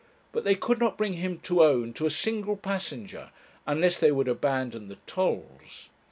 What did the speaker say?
But they could not bring him to own to a single passenger, unless they would abandon the tolls.